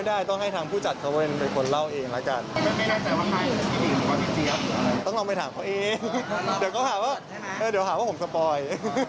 เดี๋ยวเขาหาว่าเออเดี๋ยวเขาหาว่าผมสปอย